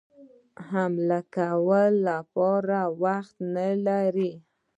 حملې کولو لپاره وخت نه لري.